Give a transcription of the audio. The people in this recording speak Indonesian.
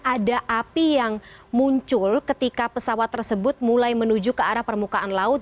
ada api yang muncul ketika pesawat tersebut mulai menuju ke arah permukaan laut